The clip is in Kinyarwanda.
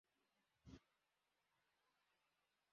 Imbwa yijimye irambaraye mu rubura mugihe yifotoza